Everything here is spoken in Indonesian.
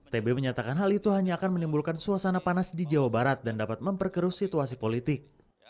tb menyatakan hal itu hanya akan menimbulkan suasana panas di jawa barat dan dapat memperkeruh situasi politik